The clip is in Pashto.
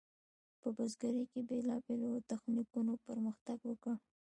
په بزګرۍ کې بیلابیلو تخنیکونو پرمختګ وکړ.